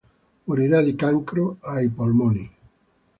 Morirà di cancro ai polmoni.